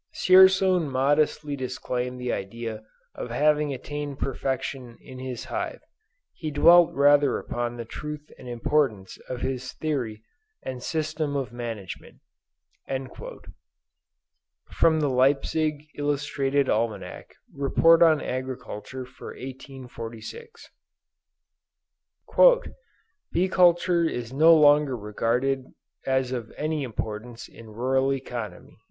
Dzierzon modestly disclaimed the idea of having attained perfection in his hive. He dwelt rather upon the truth and importance of his theory and system of management." From the Leipzig Illustrated Almanac Report on Agriculture for 1846. "Bee culture is no longer regarded as of any importance in rural economy."